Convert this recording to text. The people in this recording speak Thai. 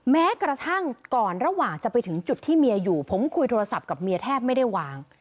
แม้กระทั่งก่อนระหว่างจะไปถึงจุดที่เมียอยู่ผมคุยโทรศัพท์กับเมียแทบไม่ได้วาง